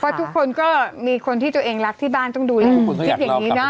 เพราะทุกคนก็มีคนที่ตัวเองรักที่บ้านต้องดูอย่างคิดอย่างนี้นะ